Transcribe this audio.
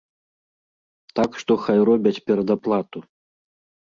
Так што хай робяць перадаплату.